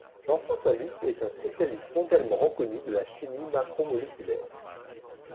Jean-François Lutz est un spécialiste mondialement reconnu de la chimie macromoléculaire.